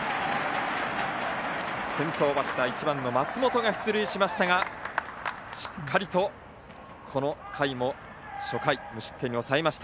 先頭バッターの松本が出塁しましたがしっかりと初回無失点に抑えました。